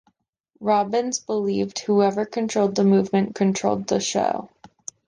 Robbins believed whoever controlled the movement controlled the show.